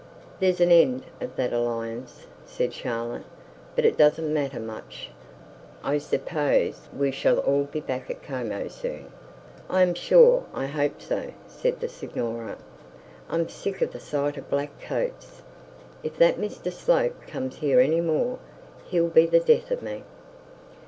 'There's an end of that alliance,' said Charlotte; 'but it doesn't matter much. I suppose we shall all be back in Como soon.' 'I am sure I hope so,' said the signora; 'I'm sick of the sight of black coats. If that Mr Slope comes here any more, he'll be the death of me.'